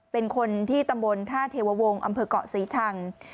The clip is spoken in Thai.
เป็นคนที่ตำบลท่าเทววงศ์อำเภอกเกาะศรีชัง